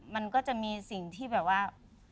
มันก็จะมีสิ่งที่แบบว่า